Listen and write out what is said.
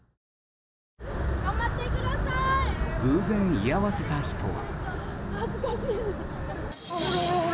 偶然、居合わせた人は。